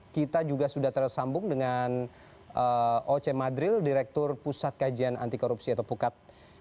kita juga sudah tersambung dengan oce madril direktur pusat kajian anti korupsi atau pukat